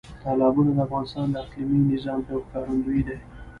تالابونه د افغانستان د اقلیمي نظام یو ښکارندوی دی.